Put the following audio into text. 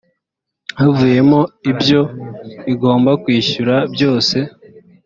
havuyemo ibyo igomba kwishyura byose